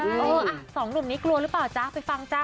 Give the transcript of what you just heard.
เอออ่ะสองหนุ่มนี้กลัวหรือเปล่าจ๊ะไปฟังจ้ะ